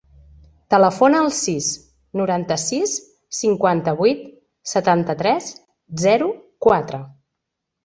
Telefona al sis, noranta-sis, cinquanta-vuit, setanta-tres, zero, quatre.